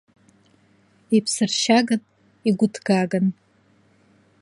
Иԥсыршьаган, игәыҭгаган.